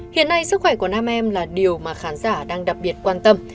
hiện nay sức khỏe của nam em là điều mà khán giả đang đặc biệt quan tâm